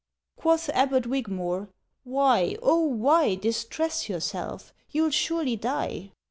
Quoth Abbot Wygmore: "Why, O why Distress yourself? You'll surely die!"